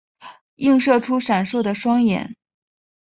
映射出闪烁的双眼